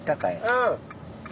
うん。